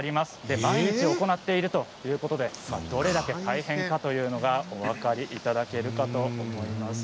毎日行っているということでどれだけ大変かお分かりいただけると思います。